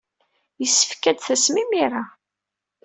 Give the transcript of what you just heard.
Yessefk ad d-tasem imir-a.